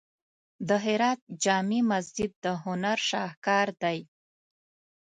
د هرات جامع مسجد د هنر شاهکار دی.